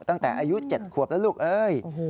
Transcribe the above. ตั้งแต่อายุ๗ขวบแล้วลูกเอ้ย